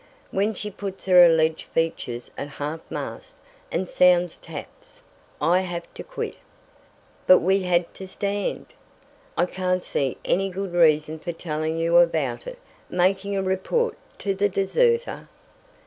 When she puts her alleged features at half mast, and sounds taps, I have to quit." "But we had to stand. I can't see any good reason for telling you about it making a report to the deserter."